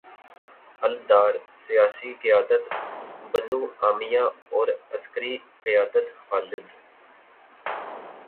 الدار، سیاسی قیادت بنو امیہ اور عسکری قیادت خالد